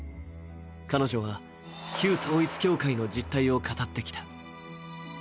彼女は旧統一教会の実態を語ってきた。